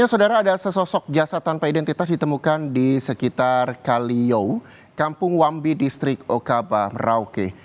saudara ada sesosok jasad tanpa identitas ditemukan di sekitar kalio kampung wambi distrik okabah merauke